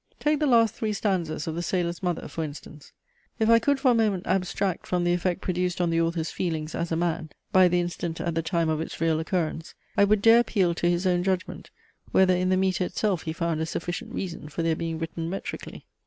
Take the last three stanzas of THE SAILOR'S MOTHER, for instance. If I could for a moment abstract from the effect produced on the author's feelings, as a man, by the incident at the time of its real occurrence, I would dare appeal to his own judgment, whether in the metre itself he found a sufficient reason for their being written metrically?